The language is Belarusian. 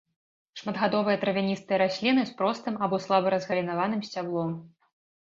Шматгадовыя травяністыя расліны з простым або слаба разгалінаваным сцяблом.